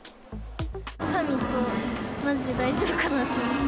サミット、まじで大丈夫かなと思った。